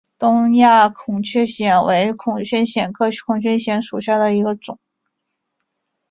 东亚孔雀藓为孔雀藓科孔雀藓属下的一个种。